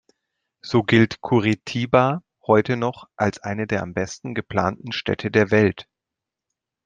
So gilt Curitiba heute noch als eine der am besten geplanten Städte der Welt.